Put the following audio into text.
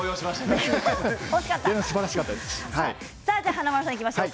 華丸さん、いきましょう。